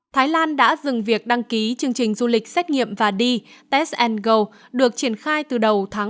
thái lan đã dừng việc đăng ký chương trình du lịch xét nghiệm và đi test go được triển khai từ đầu tháng một mươi một